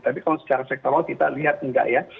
tapi kalau secara sektor kita lihat tidak ya